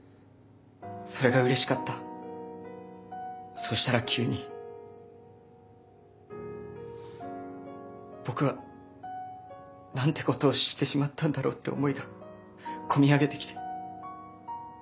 そしたら急に僕はなんてことをしてしまったんだろうって思いが込み上げてきて。